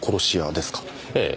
ええ。